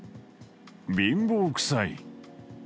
貧乏くさい。